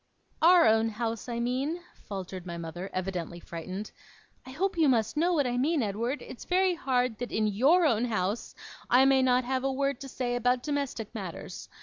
'OUR own house, I mean,' faltered my mother, evidently frightened 'I hope you must know what I mean, Edward it's very hard that in YOUR own house I may not have a word to say about domestic matters.